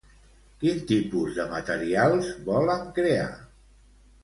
Quin tipus de materials volen crear?